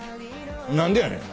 何でやねん！